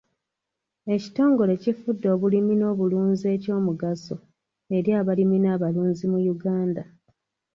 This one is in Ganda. Ekitongole kifudde obulimi n'obulunzi eky'omugaso eri abalimi n'abalunzi mu Uganda.